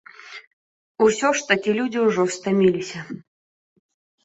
Усё ж такі людзі ўжо стаміліся.